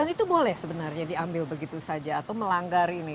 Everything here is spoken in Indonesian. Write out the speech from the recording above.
dan itu boleh sebenarnya diambil begitu saja atau melanggar ini